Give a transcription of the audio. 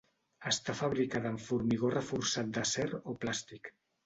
Està fabricada amb formigó reforçat d'acer o plàstic.